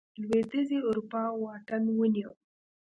لوېدیځې اروپا واټن ونیو.